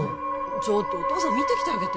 ちょっとお父さん見てきてあげて・